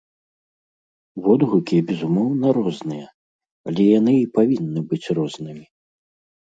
Водгукі, безумоўна, розныя, але яны і павінны быць рознымі.